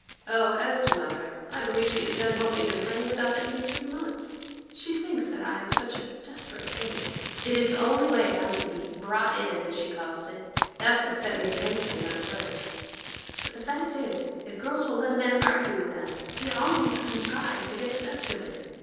'Oh, as to mother, I believe she has been hoping and praying about it these three months. She thinks that I am such a desperate case, it is the only way I am to be brought in, as she calls it. That's what set me against him at first; but the fact is, if girls will let a man argue with them, he always contrives to get the best of it.